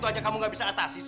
nggak mau nanti yang lain ya